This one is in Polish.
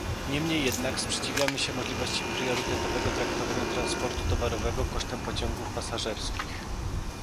Niemniej jednak sprzeciwiamy się możliwości priorytetowego traktowania transportu towarowego kosztem pociągów pasażerskich